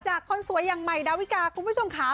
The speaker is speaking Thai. คนสวยอย่างใหม่ดาวิกาคุณผู้ชมค่ะ